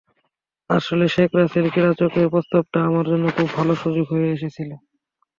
আসলে শেখ রাসেল ক্রীড়াচক্রের প্রস্তাবটা আমার জন্য খুব ভালো সুযোগ হয়ে এসেছিল।